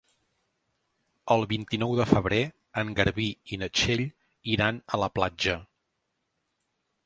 El vint-i-nou de febrer en Garbí i na Txell iran a la platja.